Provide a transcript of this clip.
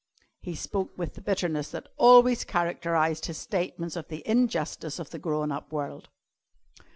He spoke with the bitterness that always characterised his statements of the injustice of the grown up world.